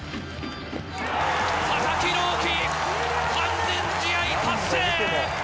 佐々木朗希、完全試合達成。